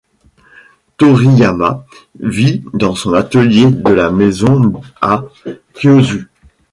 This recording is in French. Toriyama vit dans son atelier de la maison à Kiyosu.